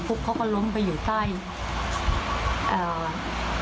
แล้วเขาก็ลงไปอยู่ใจร้อ